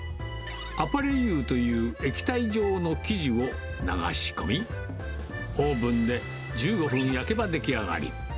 アパレイユという液体状の生地を流し込み、オーブンで１５分焼けば出来上がり。